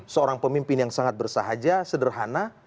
seorang pemimpin yang sangat bersahaja sederhana